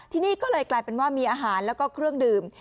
ที่นี่ก็เลยกลายเป็นว่ามีอาหารแล้วก็เครื่องดื่ม